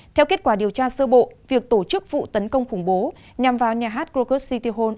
theo kết quả điều tra sơ bộ việc tổ chức vụ tấn công khủng bố nhằm vào nhà hát rocket city hall